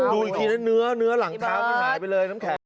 ดูอีกทีแล้วเนื้อเนื้อหลังเท้าไม่หายไปเลยน้ำแขก